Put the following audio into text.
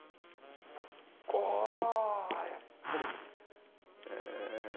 ああやっぱりええ。